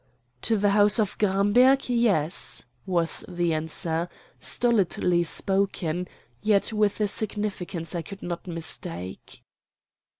"To the House of Gramberg, yes," was the answer, stolidly spoken, yet with a significance I could not mistake.